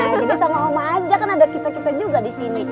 jadi sama oma aja kan ada kita kita juga disini